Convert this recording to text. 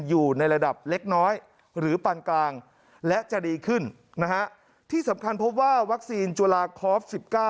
อยู่ในระดับเล็กน้อยหรือปันกลางและจะดีขึ้นนะฮะที่สำคัญพบว่าวัคซีนจุลาคอฟ๑๙